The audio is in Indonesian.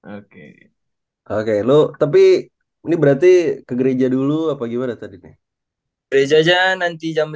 oke oke lu tapi ini berarti ke gereja dulu apa gimana tadi nih gereja aja nanti jam lima